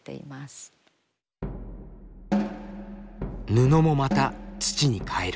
布もまた土に返る。